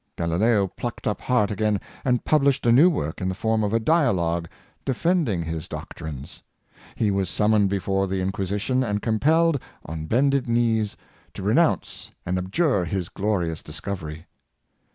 Galileo plucked up heart again, and published a new work, in the form of a dialogue, defending his doctrines. He was sum moned before the Inquisition, and compelled, on bended knees, to renounce and abjure his glorious discovery.